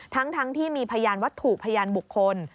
ทั้งที่มีพยานวัตถุพยานบุคคล